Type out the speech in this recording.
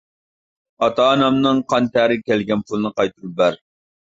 ئاتا-ئانامنىڭ قان تەرىگە كەلگەن پۇلنى قايتۇرۇپ بەر!